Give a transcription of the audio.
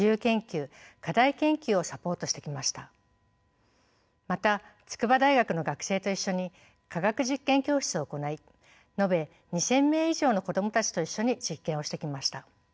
また筑波大学の学生と一緒に科学実験教室を行い延べ２，０００名以上の子供たちと一緒に実験をしてきました。